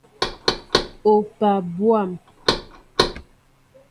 Opaa bwȃm!